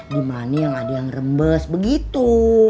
di mana yang ada yang rembes begitu